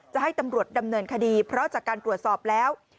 จะให้ตำรวจดำเนินคดีเพราะจากการตรวจสอบแล้ว